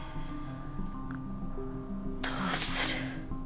どうする？